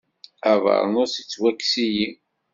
Abeṛnus yettwakkes-iyi.